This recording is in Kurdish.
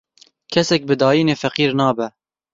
Kesek bi dayînê feqîr nabe.